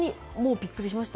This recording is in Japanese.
びっくりしました！